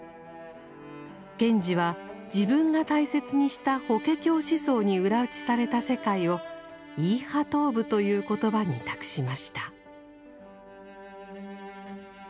賢治は自分が大切にした法華経思想に裏打ちされた世界を「イーハトーブ」という言葉に託しました。